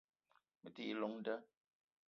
Me te yi llong nda